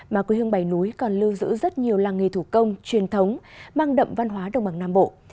mà quê hương bảy núi còn lưu giữ rất nhiều làng nghề thủ công truyền thống mang đậm văn hóa đồng bằng nam bộ